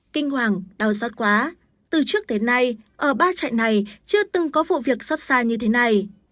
kinh hoàng đau giót quá từ trước đến nay ở ba chạy này chưa từng có vụ việc giót xa như thế này